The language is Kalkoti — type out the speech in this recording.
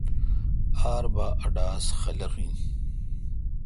آر بھا ا ڈاس خلق این۔